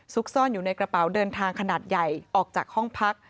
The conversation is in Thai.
ซ่อนอยู่ในกระเป๋าเดินทางขนาดใหญ่ออกจากห้องพัก